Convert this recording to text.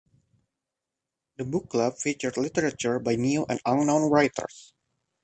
The book club featured literature by new and unknown writers.